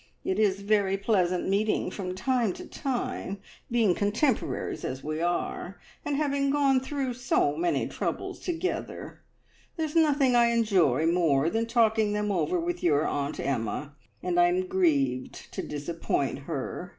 It is very pleasant meeting from time to time, being contemporaries as we are, and having gone through so many troubles together. There is nothing I enjoy more than talking them over with your Aunt Emma, and I am grieved to disappoint her.